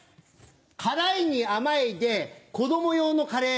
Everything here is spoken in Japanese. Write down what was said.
「辛い」に「甘い」で子供用のカレー。